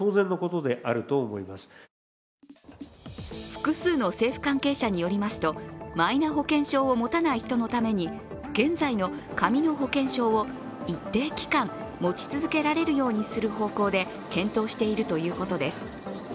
複数の政府関係者によりますとマイナ保険証を持たない人のために現在の紙の保険証を一定期間、持ち続けられるようにする方向で検討しているということです。